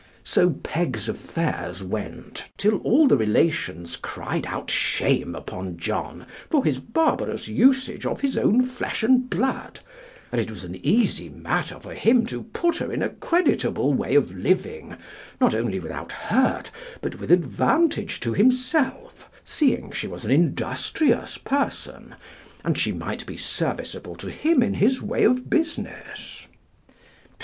So Peg's affairs went till all the relations cried out shame upon John for his barbarous usage of his own flesh and blood; that it was an easy matter for him to put her in a creditable way of living, not only without hurt, but with advantage to himself, seeing she was an industrious person, and might be serviceable to him in his way of business.